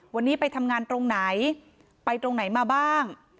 วันนี้ไปทำงานตรงไหนไปตรงไหนมาบ้าง